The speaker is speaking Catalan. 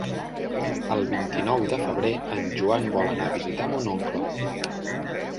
El vint-i-nou de febrer en Joan vol anar a visitar mon oncle.